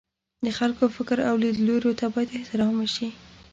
د خلکو فکر او لیدلوریو ته باید احترام وشي.